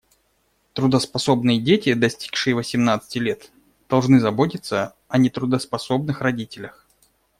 Трудоспособные дети, достигшие восемнадцати лет, должны заботиться о нетрудоспособных родителях.